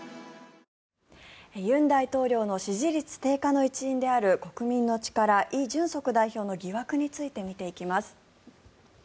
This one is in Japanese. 尹大統領の支持率低下の一因である国民の力、イ・ジュンソク代表の疑惑について見ていきます。